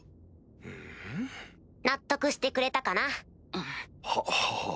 ん？納得してくれたかな？ははぁ。